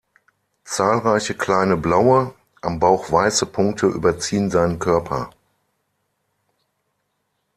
Zahlreiche kleine blaue, am Bauch weiße Punkte überziehen seinen Körper.